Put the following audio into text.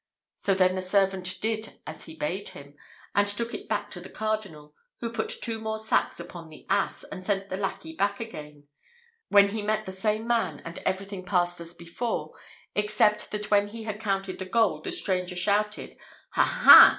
So then the servant did as he bade him, and took it back to the Cardinal, who put two more sacks upon the ass, and sent the lackey back again; when he met the same man, and every thing passed as before, except that when he had counted the gold the stranger shouted, 'Ha! ha!